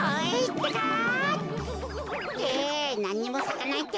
ってなんにもさかないってか。